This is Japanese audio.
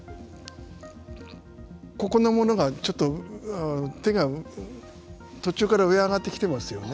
ここのものがちょっと手が途中から上へ上がってきてますよね。